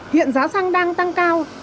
hiện giá xăng đang tăng cao